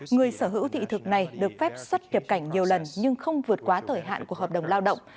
người sở hữu thị thực này được phép xuất kiệp cảnh nhiều lần nhưng không vượt quá thời hạn của hợp đồng lao động